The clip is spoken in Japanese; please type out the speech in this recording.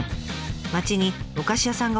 「町にお菓子屋さんが欲しい」。